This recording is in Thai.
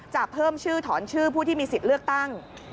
เพิ่มชื่อถอนชื่อผู้ที่มีสิทธิ์เลือกตั้ง